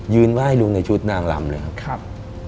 ไหว้ลุงในชุดนางลำเลยครับ